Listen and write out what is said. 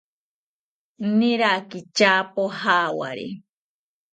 Niraki tyapo jawari